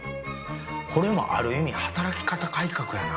これもある意味働き方改革やな。